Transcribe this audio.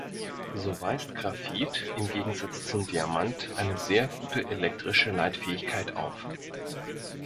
So weist Graphit im Gegensatz zum Diamant eine sehr gute elektrische Leitfähigkeit auf.